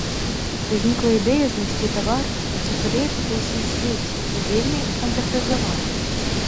Узнікла ідэя знайсці тавар, які прадаецца па ўсім свеце і вельмі стандартызаваны.